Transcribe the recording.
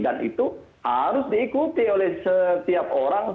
dan itu harus diikuti oleh setiap orang